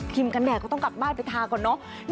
กันแดดก็ต้องกลับบ้านไปทาก่อนเนอะ